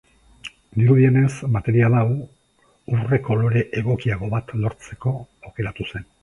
Dirudienez, material hau, urre kolore egokiago bat lortzeko aukeratu zen.